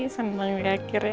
senang ya akhirnya